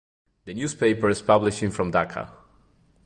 The newspaper is publishing from Dhaka.